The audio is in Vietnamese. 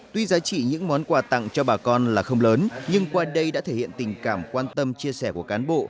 tuy giá trị những món quà tặng cho bà con là không lớn nhưng qua đây đã thể hiện tình cảm quan tâm chia sẻ của cán bộ